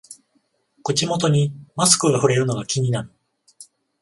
口元にマスクがふれるのが気になる